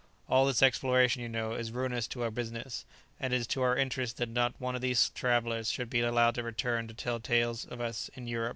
All this exploration, you know, is ruinous to our business, and it is to our interest that not one of these travellers should be allowed to return to tell tales of us in Europe."